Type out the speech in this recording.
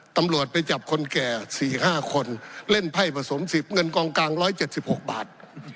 ตำรวจไปจับคนแก่๔๕คนเล่นไพ่ผสม๑๐เงินกองกลาง๑๗๖บาท